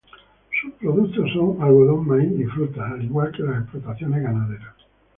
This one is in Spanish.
Sus productos son algodón, maíz y frutas al igual que las explotaciones ganaderas.